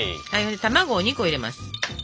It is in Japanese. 卵を２個入れます。